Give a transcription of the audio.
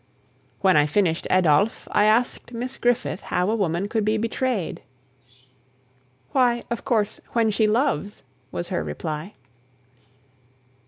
When I finished Adolphe, I asked Miss Griffith how a woman could be betrayed. "Why, of course, when she loves," was her reply.